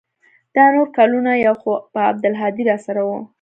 دا نور کلونه يو خو به عبدالهادي راسره و.